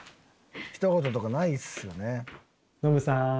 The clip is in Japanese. ひと言とかないっすよね。